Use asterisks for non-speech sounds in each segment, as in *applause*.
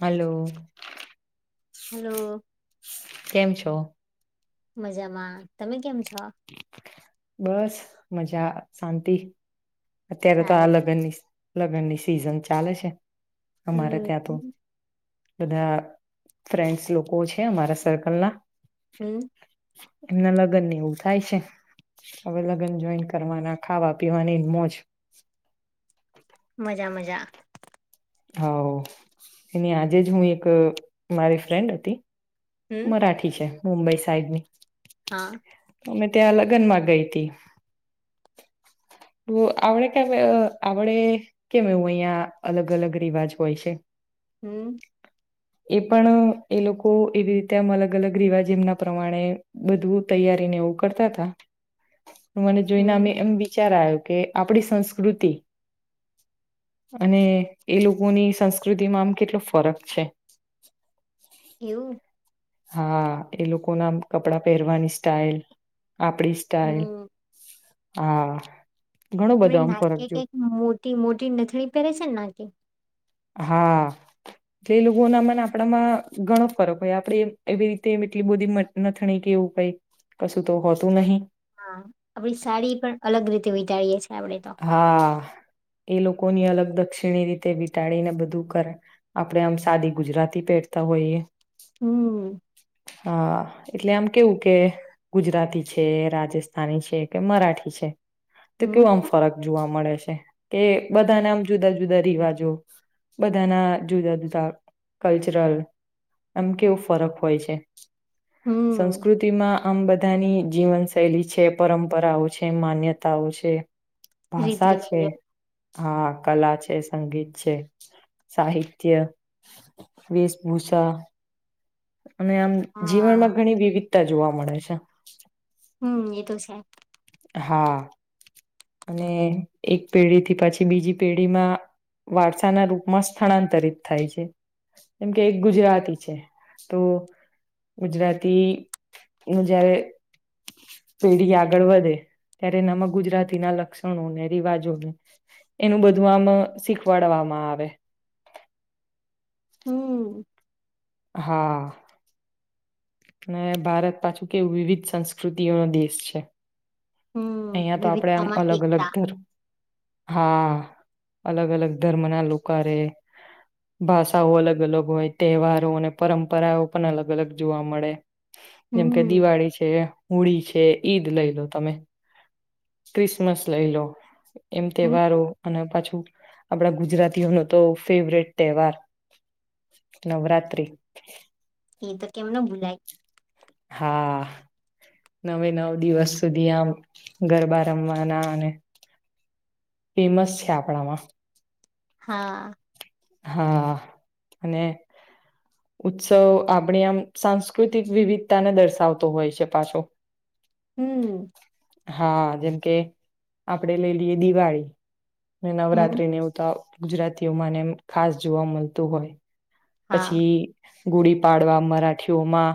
Hello. Hello. કેમ છો? મજામાં, તમે કેમ છો? બસ. મજા શાંતિ. અત્યારે તો સારું આલગ ની લગ્નની સિઝન ચાલે છે. અમારે હમ્મ ત્યાં તો હ. બધા ફ્રેન્ડસ લોકો છે અમારા સર્કલ ના હમ એમના લગનને એવું થાય થાય છે હવે લગ્ન જોઈન કરવાના ખાવા પીવાની મોજ માજા મજા. હા એની આજે જ હું એક મારી ફ્રેન્ડ હતી. હમ મરાઠી છે. મુંબઈ સાઈડની. હા. અમે ત્યાં લગ્ન માં ગઈ હતી. તો આવડે કે આવડે કેમ એવું અહિયા અલગ અલગ રિવાજ હોય છે. હમ્મ. એ પણ એ લોકો એવી રીતે આમ અલગ-અલગ રિવાજ જેમના પ્રમાણે બધું તૈયારીને એવું કરતા હતા. મને જોઈને હમ એમ. કે આપણી સંસ્કૃતિ અને એ લોકોની સંસ્કૃતિમાં આમ કેટલો ફરક છે. એવું. હા એ લોકો નામ કપડાં પહેરવાની સ્ટાઈલ આપડી સ્ટઇલ હમ હા. ઘણો બધો એ આમ નાકે ફરક જો કઈક મોટી મોટી નથળી પહેરે છે ને નાકે હા એટલે એ લોકો ના મને આપણામાં ઘણો ફરક હોય આપડે એવી રીતે એટલી બધી નથણી કે એવું કઈ કશું તો હોતું નહી. હા આપડી સાડી પણ અલગ રીતે *unintelligible* છે હા એ લોકો ની અલગ દક્ષિણી રીતે વિટાડીને બધું કરે આપણેે આમ સાદી ગુજરાતી પહેરતા હોઈએ. હમ હા એટલે આમ કેવું કે ગુજરાતી છે રાજસ્થાની છે કે મરાઠી છે. તો હમ કાંઇ ઓફર જોવા મળે છે કે બધાના આમ જુદા જુદા રિવાજો બધાના જુદા જુદા કલ્ચરલ એમ કેવો ફરક હોય છે. હમ સંસ્કૃતિમાં આમ બધાની જીવનશૈલી છે પરંપરાઓ છે માન્યતાઓ છે. રીત ભાષા છે રિવાજો હા. કલા છે, સંગીત છે, સાહિત્ય, વેશભૂષા. અને આમ હા જીવનમાં ઘણી વિવિધ તા જોવા મળે છે. હમ એ તો સાહેબ હા અને એક પેઢીથી પછી બીજી પેઢીમાં વારસા ના રૂપમાં સ્થળાંતરિત થાય છે જેમ કે એક ગુજરાતી છે. તો ગુજરાતી નું જયારે પેઢી આગળ વધે ત્યારે એનામાં ગુજરાતીના લક્ષણોને રિવાજોને એનું બધું આમ શીખવાડવામાં આવે. હમ્મ હા અને ભારત પાછું કેવ વિવિધ સંસ્કૃતિઓનો દેશ છે. હમ અહિયાં તો આપડે આમ વિવિધતામાં અલગ અલગ એકતા ધર હા અલગ અલગ ધર્મ ના લોકો રહેે ભાષાઓ અલગ અલગ હોય તહેવારો અને પરંપરાઓ પણ અલગ અલગ જોવા મળે. જેમ કે હમ દિવાળી છે. હોળી છે ઈદ લઈ લો તમે. ક્રિસમસ લઈ લો. એમ હમ તહેવારો અને પાછું આપડા ગુજરાતીઓ ન તો ફેવરેટ તહેવાર નવરાત્રી એ તો કેમ ન ભૂલાય. હા નવે નવ દિવસ સુધી આમ ગરબા રમવાના અને ફેમસ છે આપણામાં હા હા અને ઉત્સવ આપણી આમ સાંસ્કૃતિક વિવિધતાને દર્શાવતો હોય છે પાછો. હમ હા, જેમ કે આપડે લઈ લઈએ દિવાળી મે હમ નવરાત્રી ને એવુ તો ગુજરાતીઓમાં ને એમ ખાસ જોવા મળતું હોય. હા પછી ગુડી પાડવા મરાઠીઓમાં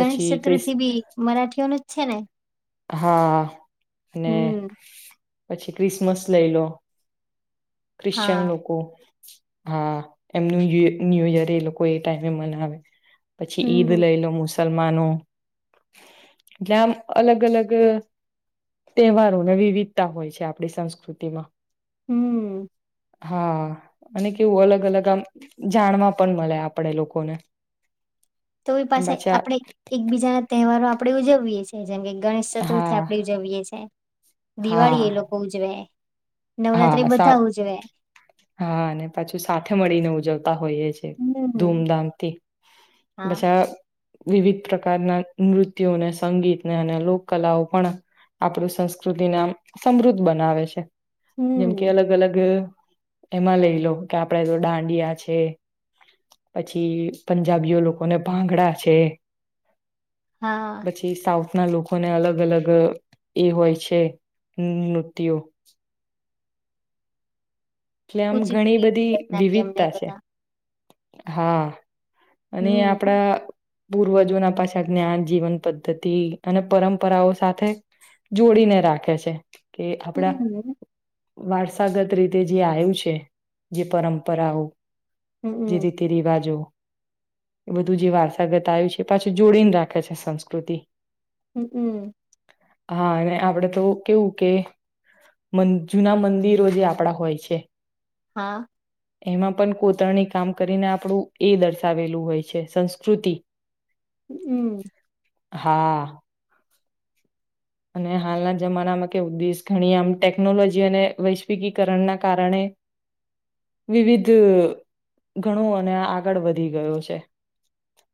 ગણેશ ક્રિસ ચતુર્થી બી મરાઠીઓ નુજ છે ને? હા. અને હમ પછી ક્રિસમસ લઈ લો. ખ્રિશ્ચન હા લોકો. હા, એમનું *unintelligible* ન્યુ યર એ લોકો, એ ટાઈમે મનાવે. પછી ઈદ હમ લઈ લો મુસા સલમાનો, આમ અલગ અલગ તહેવારોને વિવિધતા હોય છે, આપડી સંસ્કૃતિમાં. હમ્મ. હા, અને કેવું અલગ અલગ આમ જાણવા પણ મલે આપડે લોકોને. તો બી પાછા આપડે એકબીજા ના તહેવારો. આપડે ઉજવીએ છીએ. જેમકે ગણેશ ચતુર્થી હા આપડે ઉજવીએ છીએ દિવાળી હા, એ લોકો ઉજવે. નવરાત્રી હા સા બધા ઉજવે હા અને પાછું સાથે મળીને ઉજબ હોય છે હમ ધૂમધામથી હા બછા વિવિધ પ્રકારના નૃત્યોને સંગીતને અને લોક કલાઓ પણ આપણું સંસ્કૃતિને આમ સમૃદ્ધ બનાવે છે. જેમ કે હમ અલગ અલગ એમાં લઈ લો કે આપડે તો દાંડિયા છે પછી પંજાબીઓ લોકોને ભાંગડા છે. હા પછી સાઉથ ના લોકોને અલગ અલગ એ હોય છે નૂત્યો. ટલે આમ ઘણી કુચીપુડી બધી ભરતનાટ્યમ ને એ વિવિધતા છે. બધા હા. અને હમ આપડા પૂર્વજોના પાછા જ્ઞાન જીવન પદ્ધતિ અને પરંપરાઓ સાથે જોડીને રાખે છે. કે આપડા હમ વારસાગત રીતે જે આવ્યું છે જે પરંપરાઓ જે હમમ રીતિ રિવાજો. એ બધું જે વારસાગત આવ્યું છે પાછું જોડીને રાખે છે સંસ્કૃતિ. હમ હમ. હા અવે આપડે તો કેવું કે મં જુના મંદિરો જે આપડા હોય. છે. હા. એમાં પણ કોતરની કામ કરીને આપડુ એ દર્શાવેલું હોય છે સંસ્કૃતિ. હમ. હા. અને હાલના જમાનામાં કેવું દેશ ઘણી આમ ટેકનોલોજી અને વૈશ્વિકીકરણના કારણે વિવિધ ઘણો અને આગળ વધી ગયો છે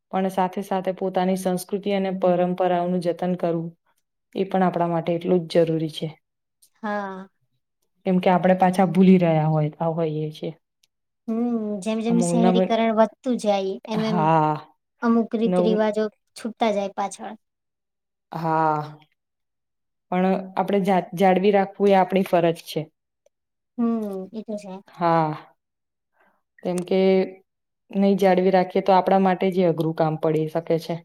પણ સાથે સાથે પોતાની સંસ્કૃતિ અને પરંપરાઓનું જતન કરવું. એ પણ આપડા માટે એટલું જ જરૂરી છે. હા. કેમ કે આપડે પાછા ભૂલી રહ્યા હોય હોઈએ છીએ. હમ જેમ જેમ અમુક નવ શહેરીકરણ વધતું જાય એમ એમ હા અમુક રીત નવું રિવાજો છૂપતા જાય પાછળ. હા. પણ આપડે જા જાળવી રાખવું એ આપડી ફરજ છે. હમ એ તો છે. હા કેમ કે નઈ જાળવી રાખીએ તો આપડા માટે જે અઘરું કામ પડી શકે છે.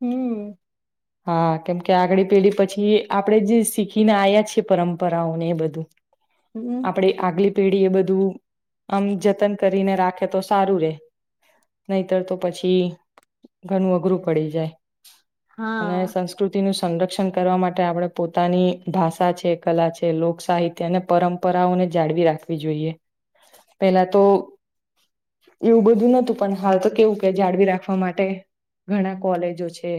હમ. હા કેમકે આગળી પેઢી પછી આપણેે જે શીખીને આયા છીએ પરંપરાને બધું હમ આપડે આગલી પેઢી એ બધું આમ જ તન કરીને રાખે તો સારું રે નહીતર તો પછી ઘણું અઘરું પડી જાય. અને હા સંસ્કૃતિનું સુ સંરક્ષણ કરવા માટે આપડે પોતાની ભાષા છે કલા છે લોકસાહિત્ય અને પરંપરાઓને જાળવી રાખવી જોઈએ પેલા તો એવું બધું નતું પણ હાલ તો કેવું કે જાળવી રાખવા માટે ઘણા કોલેજો છે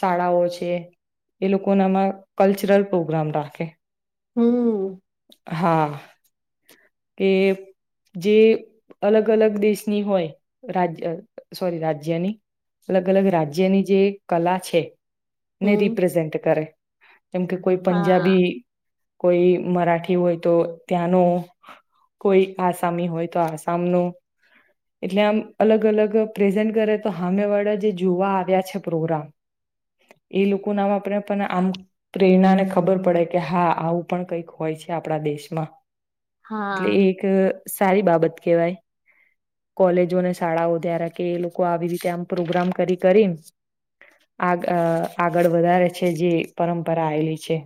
શાળાઓ છે એ લોકોના ના કલ્ચરલ પ્રોગ્રામ રાખે. હમ. હા કે જે અલગ અલગ દેશની હોય રાજ સોરી રાજ્યની અલગ અલગ રાજ્યની જે કલા છે. ને હમ રિપ્રેઝેન્ટ કરે એમ કે કોઈ હા પંજાબી કોઈ મરાઠી હોય તો ત્યાંનો કોઈ આસામી હોય તો આસામ નૂ એટલે આમ અલગ અલગ પ્રેઝન્ટ કરે તો હામેવાળા જે જોવા આવ્યા છે પ્રોગ્રામ એ લોકો નામ આપણે પણ આમ પ્રેરણાને ખબર પડે કે હા આવું પણ કંઈક હોય છે આપણા દેશમાં એટલે હા એ એક સારી બાબત કેહેવાય કોલેજોને શાળાઓ *unintelligible* કે એ લોકો આવી રીતે આમ પ્રોગ્રામ કરી કરી આગળ વધારે છે જે પરંપરા આવેલી છે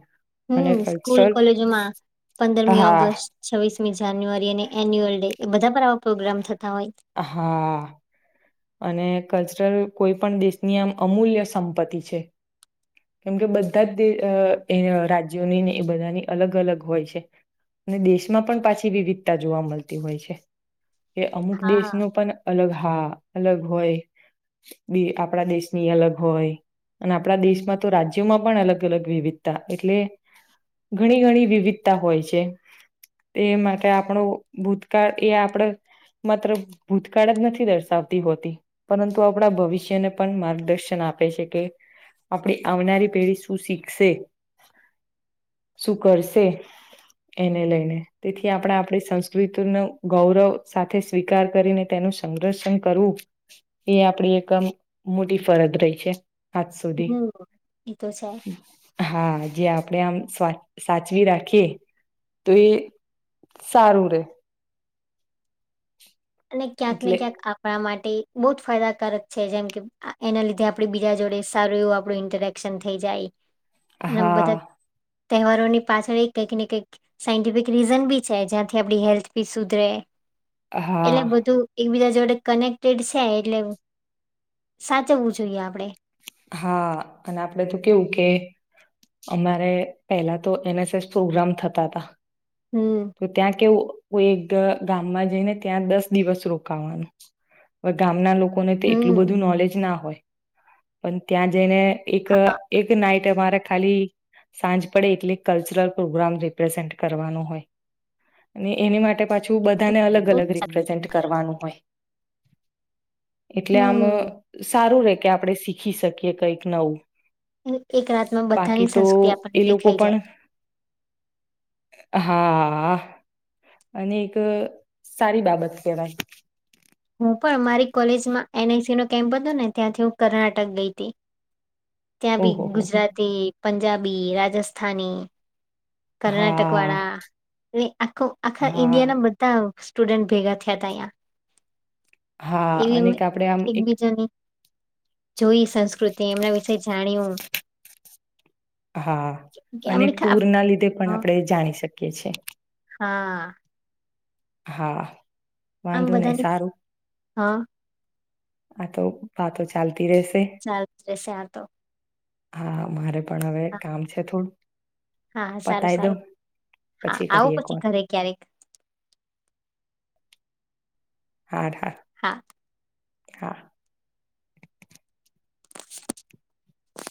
અને હમ સ્કૂલ કલ્ચરલ કોલેજોમાં પંદરમી હા ઓગસ્ટ છવ્વીસમી જાન્યુઆરી અને એન્યુઅલ ડે એ બધા પર આવા પ્રોગ્રામ થ હા અને કલ્ચરલ કોઈ પણ દેશની આમ અમૂલ્ય સંપત્તિ છે કેમ કે બધા અ અ રાજ્યનીની એ બધાની અલગ અલગ હોય છે અને દેશમાં પણ પાછી વિવિધતા જોવા મલતી હોય છે. એ અમુક દેશ હા નુ પન અલગ હા. હા. અલગ હોય ની આપડે દેશની અલગ હોય અને આપડા દેશમાં તો રાજ્યોમાં પણ અલગ અલગ વિવિધતા એટલે ઘણી ઘણી વિવિધતા હોય છે તે માટે આપડુ ભૂતકાળ એ આપડે માત્ર ભૂતકાળ જ નથી દર્શાવ તી હોતી પરંતુ આપડા ભવિષ્યને પણ માર્ગદર્શન આપે છે કે આપડી આવનારી પેઢી શું શીખશે શું કરશે એને લઈને તેથી આપડા આપડી સંસ્કૃતિ નુ ગૌરવ સાથે સ્વીકાર કરીને તેનું સંંગક્ષણ કરવું એ આપડી એકમ મોટી ફરદ રઈ છે. આજ સુધી. હમ એ તો છે હા જે આપ આપડે આમ સા-સાચવી રાખીએ તો એ સારું રેય. અને ક્યાંક ને એટલે ક્યાંક આપડા માં તે બહુ જ ફાયદાકારક છે જેમ કે એના લીધે આપડી બીજા જોડે સારું એવું આપડુ ઇન્ટરેક્શન થઈ જાય. અને બધા હા. તહેવારોની પાછળ ઈ કંઈક ને કંઈક સાયન્ટિફિક રીઝન બી છે જ્યાંથી આપડી હેલ્થ બી સુધરે. એટલે હા, બધું એકબીજા જોડે કનેક્ટેડ છે એટલે સાચવવું જોઈએ આપડે. હા અને આપડે તો કેવું કે અમારે પેલા તો એન એસ એસ પ્રોગ્રામ થતા તા. હમ તો ત્યાં કેવું કોઈ એક ગામમાં જઈને ત્યાં દસ દિવસ રોકાવાનું ગામના લોક લોકોને તો એટલું હમ બધું નોલેજ ના હોય. પણ ત્યાં જઈને એક અહ એક નાઇ તે મારે ખાલી સાંજ પડે એટલે કલ્ચરલ પ્રોગ્રામ રિપ્રેઝન્ટ કરવાનું હોય. અને એની માટે પાછું એ તો બધાને અલગ બહુ અલગ જ રિપ્રેઝન્ટ કહેવાય. કરવાનું હોય. એટલે આમ અહ હમ સારું રે કે આપડે શીખી શકીએ કઈક નવું. અને એક રાતમાં બાકી બધાની તો સંસ્કૃતિ એ આપણને લોકો દેખાઈ પણ જાય. હા, અને એક અહ સારી બાબત કવાય. હું પણ મારી કોલેજમાં એન આઈ સી નો કેમ્પ હતો ને ત્યાંથી હું કર્ણાટક ગઈ હતી. ત્યાં બી ઓહોહો ગુજરાતી પંજાબી, રાજસ્થની કર્ણાટક હા વાળા એ આખો આખા હા ઈન્ડિયા ના બધા સ્ટુડેન્ટ ભેગા થયા ત્યાં. હા, અને એક આપડે આમ એક જોઈ સંસ્કૃતિ એમના વિશે જાણ્યું હા, કે અને એમને ખા ટુર ના લીધે પણ હા. આપડે જાણી શક કે છે. હા. હા. આમ વાંધો નહી બધાની સારું હા. આ તો વાતો ચાલ ચાલ જ રહેશે આ તો. હા, મારે પણ હવે કામ છે થોડું. હા હા સારું પતાય દઉં સારું. હા પછી આવો કરીએ પછી કોલ ઘરે ક્યારેક. હાડ હા. હા.